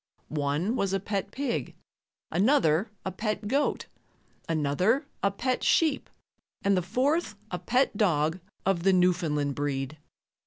One was a pet pig, another a pet goat, another a pet sheep and the fourth a pet dog of the Newfoundland breed.